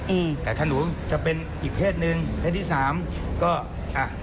อืมแต่ถ้าหนูจะเป็นอีกเพศหนึ่งเพศที่สามก็อ่ะ